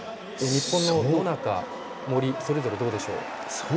日本の野中、森それぞれ、どうでしょう？